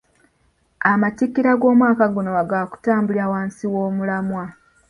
Amatikkira g’omwaka guno gaakutambulira wansi w’omulamwa.